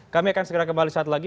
kami akan segera kembali saat lagi